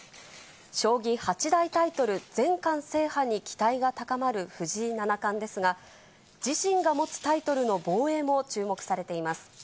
将棋８大タイトル全冠制覇に期待が高まる藤井七冠ですが、自身が持つタイトルの防衛も注目されています。